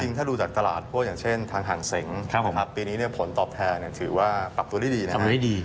จริงถ้าดูจากตลาดต้นพวกอย่างเช่นทางห่างเสงปีนี้ผลตอบแทยถือว่าปลับประตูดีนะครับ